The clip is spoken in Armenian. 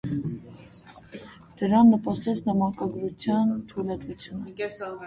Դրան նպաստեց նամակագրության թույլտվությունը։